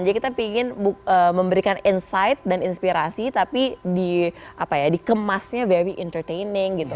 jadi kita ingin memberikan insight dan inspirasi tapi dikemasnya very entertaining gitu